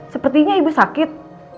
sepertinya ibu sakit